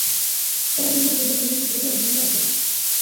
Cada una podía tener su propia razón para hacerlo.